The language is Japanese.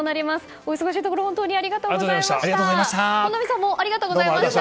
お忙しいところ本当にありがとうございました。